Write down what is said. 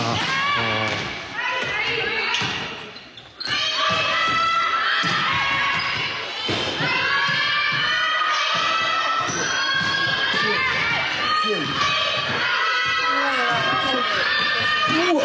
うわ！